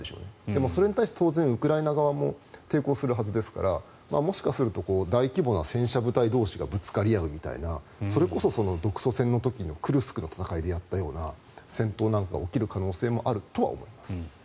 でもそれに対して当然、ウクライナ側も抵抗をするはずですからもしかすると大規模な戦車部隊同士がぶつかり合うみたいなそれこそ独ソ戦の時にクルスクの戦いであったような戦闘も起こる可能性はあるとは思います。